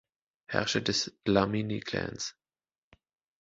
Herrscher des Dlamini-Clans.